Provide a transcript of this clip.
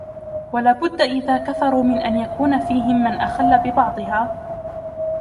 وَلَا بُدَّ إذَا كَثُرُوا مِنْ أَنْ يَكُونَ فِيهِمْ مَنْ أَخَلَّ بِبَعْضِهَا